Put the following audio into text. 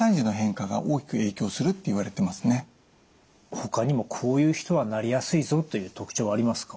ほかにもこういう人はなりやすいぞという特徴はありますか？